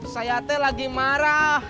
saya teh lagi marah